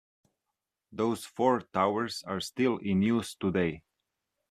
Those four towers are still in use today.